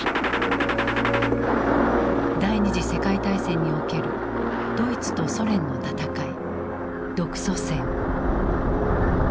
第二次世界大戦におけるドイツとソ連の戦い